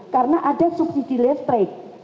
karena ada subsidi listrik